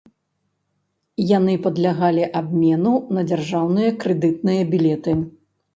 Яны падлягалі абмену на дзяржаўныя крэдытныя білеты.